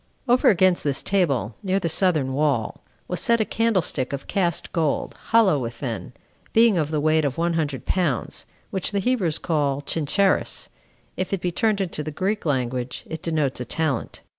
7. Over against this table, near the southern wall, was set a candlestick of cast gold, hollow within, being of the weight of one hundred pounds, which the Hebrews call Chinchares, if it be turned into the Greek language, it denotes a talent.